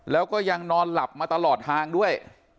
แล้วก็ยังนอนหลับมาตลอดทางด้วย